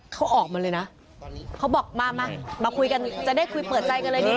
เขาออกมาเลยนะเขาบอกมามาคุยกันจะได้คุยเปิดใจกันเลยดี